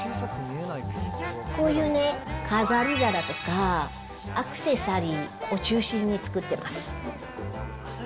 こういうね、飾り皿とか、アクセサリーを中心に作ってます。